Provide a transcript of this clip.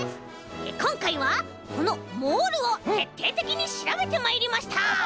こんかいはこのモールをてっていてきにしらべてまいりました！